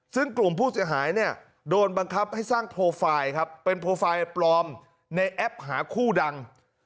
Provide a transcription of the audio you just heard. ซึ่งกลุ่มผู้เสียหายเนี่ยโดนบังคับให้สร้างโปรไฟล์ครับเป็นโปรไฟล์ปลอมในแอปหาคู่ดัง